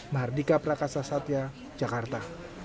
mardika prakasa satya jakarta